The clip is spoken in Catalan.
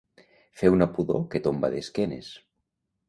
Fer una pudor que tomba d'esquenes.